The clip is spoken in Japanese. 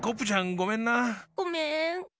ごめん。